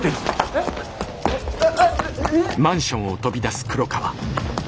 えっ？えっ？え？